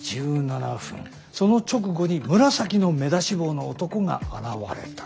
その直後に紫の目出し帽の男が現れた。